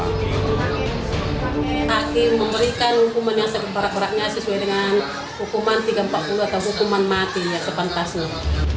hakim memberikan hukuman yang seberat beratnya sesuai dengan hukuman tiga ratus empat puluh atau hukuman mati yang sepantasnya